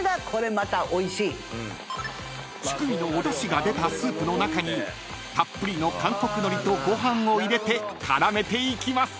［チュクミのおだしが出たスープの中にたっぷりの韓国のりとご飯を入れて絡めていきます］